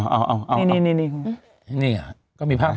ก็แขวนแล้วอืมวันก็เลยแบบเนี้ยเป็นจังหวะภาพนายแต่ยังไม่มีภาพแบบ